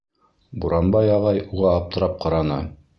Буранбай ағай уға аптырап ҡараны: